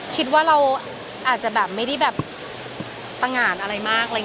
คิดว่าเราอาจจะแบบไม่ได้ตะงานอะไรมาก